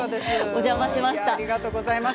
お邪魔しました。